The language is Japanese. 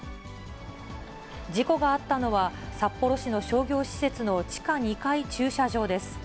事故があったのは、札幌市の商業施設の地下２階駐車場です。